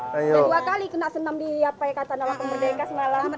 dua kali kena senam di kacanala pemberdeka semalam